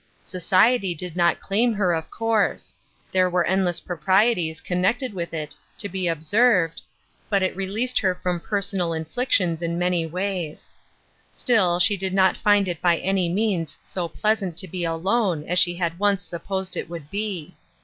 Society did not claim her, of course ; there were endless proprieties connected with it to be ob served, but it released her from personal inflic tions in many ways. Still she did not find it by any means so pleasant to be alone as she had once supposed it would be.